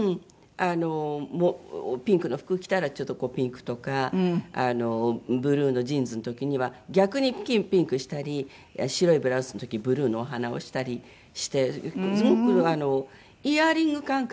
あのピンクの服着たらちょっとこうピンクとかブルーのジーンズの時には逆にピンクしたり白いブラウスの時ブルーのお花をしたりしてすごくイヤリング感覚？